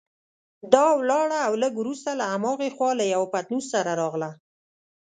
دا ولاړه او لږ وروسته له هماغې خوا له یوه پتنوس سره راغله.